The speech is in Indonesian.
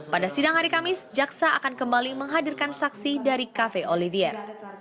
pada sidang hari kamis jaksa akan kembali menghadirkan saksi dari cafe olivier